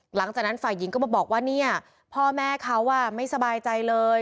หลังจากนั้นฝ่ายหญิงก็มาบอกว่าเนี่ยพ่อแม่เขาไม่สบายใจเลย